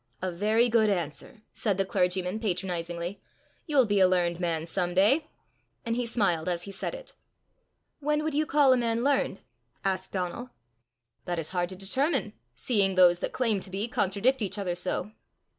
"A very good answer!" said the clergyman patronizingly. "You'll be a learned man some day!" And he smiled as he said it. "When would you call a man learned?" asked Donal. "That is hard to determine, seeing those that claim to be contradict each other so."